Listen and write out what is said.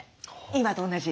今と同じ？